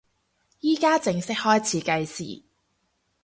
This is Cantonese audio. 依家正式開始計時